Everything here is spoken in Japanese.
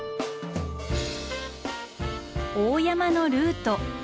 大山のルート。